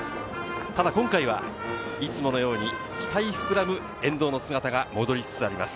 ただ今回はいつものように期待膨らむ沿道の姿が戻りつつあります。